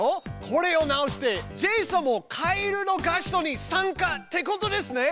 これを直してジェイソンも「かえるの合唱」に参加ってことですね。